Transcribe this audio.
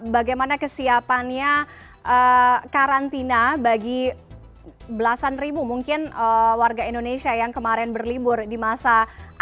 bagaimana kesiapannya karantina bagi belasan ribu mungkin warga indonesia yang kemarin berlibur di masa pandemi